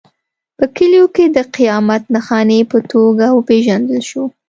په کلیو کې د قیامت نښانې په توګه وپېژندل شو.